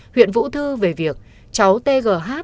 huyện vũ thư về việc cháu tgh